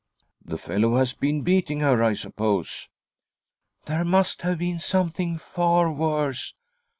" The fellow has been beating her, I suppose." r ' There must have been something far worse.